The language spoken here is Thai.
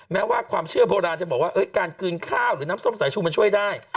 แม้ว่าความเชื่อโบราณจะบอกว่าการกลืนข้าวหรือน้ำส้มสายชูมันช่วยได้